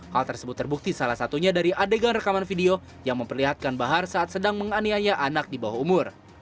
hal tersebut terbukti salah satunya dari adegan rekaman video yang memperlihatkan bahar saat sedang menganiaya anak di bawah umur